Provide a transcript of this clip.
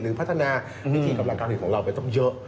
พัฒนาวิธีกำลังการผลิตของเราไปต้องเยอะ